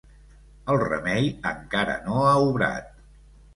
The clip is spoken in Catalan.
El remei encara no ha obrat.